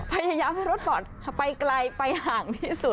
พยายามให้รถบอร์ดไปไกลไปห่างที่สุด